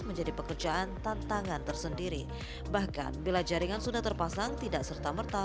menjadi pekerjaan tantangan tersendiri bahkan bila jaringan sudah terpasang tidak serta merta